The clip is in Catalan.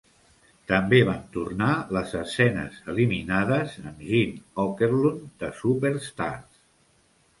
També van tornar les escenes eliminades amb Gene Okerlund de "Superstars".